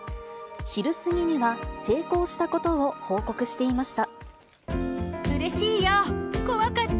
昼過ぎには成功したことを報告していました。